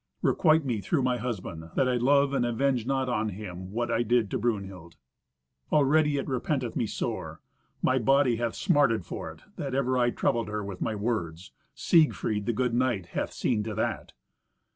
Requite me through my husband, that I love, and avenge not on him what I did to Brunhild. Already it repenteth me sore. My body hath smarted for it, that ever I troubled her with my words. Siegfried, the good knight, hath seen to that."